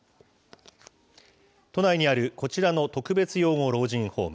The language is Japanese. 都内にあるこちらの特別養護老人ホーム。